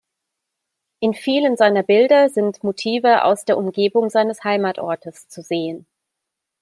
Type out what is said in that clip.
In vielen seiner Bilder sind Motive aus der Umgebung seines Heimatortes zu sehen.